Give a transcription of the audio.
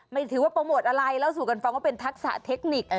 ไม่ถือว่าโปรโมทอะไรเล่าสู่กันฟังว่าเป็นทักษะเทคนิค